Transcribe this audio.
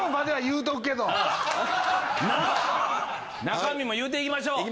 中身も言うていきましょう。